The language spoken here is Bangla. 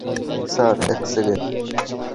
স্যার, এক সেকেন্ড।